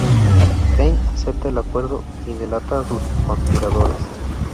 Kane acepta el acuerdo y delata a sus conspiradores.